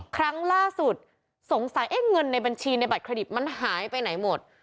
ครั้งล่าสุดสงสัยเงินในบัญชีในบัตรเครดิตมันหายไปไหนหมด